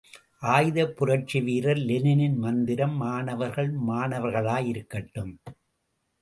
ஆயுதப் புரட்சி வீரர் லெனின் மந்திரம், மாணவர்கள் மாணவர்களாயிருக்கட்டும்.